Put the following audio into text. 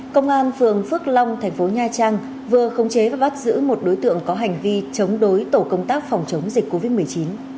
công an phường phước long thành phố nha trang vừa khống chế và bắt giữ một đối tượng có hành vi chống đối tổ công tác phòng chống dịch covid một mươi chín